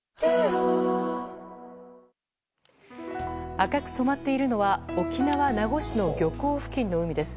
赤く染まっているのは沖縄・名護市の漁港付近の海です。